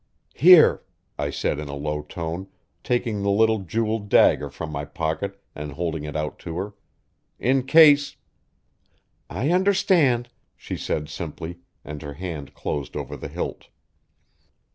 "Here," I said in a low tone, taking the little jeweled dagger from my pocket and holding it out to her, "in case " "I understand," she said simply, and her hand closed over the hilt.